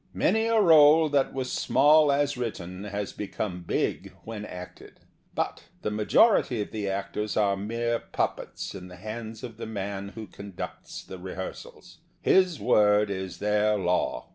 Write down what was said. Many a role that was small as written has become big when acted. But the major ity of tbe actors are mere puppets in the hands of the man who conducts the re hearsals. His word is their law.